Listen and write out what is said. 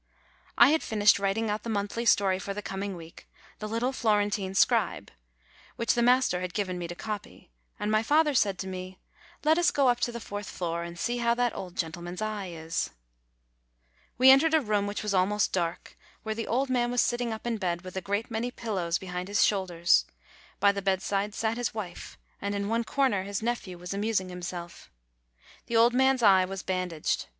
I had finished writing out the monthly story for the coming week, The Little Florentine Scribe, which the master had given to me to copy ; and my father said to me : "Let us go up to the fourth floor, and see how that old gentleman's eye is." We entered a room which was almost dark, where the old man was sitting up in bed, with a great many pillows behind his shoulders; by the bedside sat his wife, and in one corner his nephew was amusing him self. The old man's eye was bandaged.